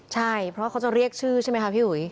ใช่เพราะเขาจะเรียกชื่อใช่ไหมคะพี่อุ๋ย